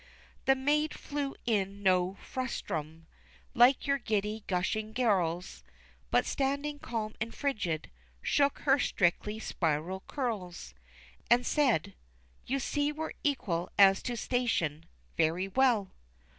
The maid flew in no frustrum like your giddy gushing girls But standing calm and frigid, shook her strictly spiral curls, And said, "You see we're equal as to station: very well!